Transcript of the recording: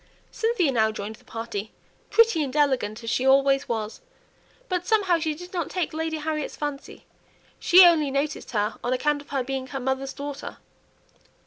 Cynthia now joined the party, pretty and elegant as she always was; but somehow she did not take Lady Harriet's fancy; she only noticed her on account of her being her mother's daughter.